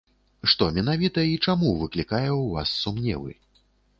Што менавіта і чаму выклікае ў вас сумневы?